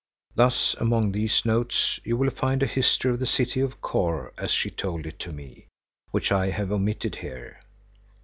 Thus among these notes you will find a history of the city of Kôr as she told it to me, which I have omitted here.